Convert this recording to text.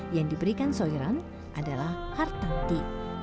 yang diberikan soiran adalah hartanti